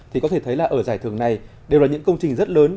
thì có thể thấy là ở giải thưởng này đều là những công trình rất lớn